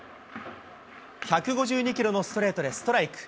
１５２キロのストレートでストライク。